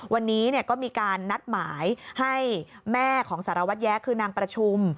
วันนี้ก็มีการนัดหมายให้แม่ของสารวัตรแย้คือนางประชุม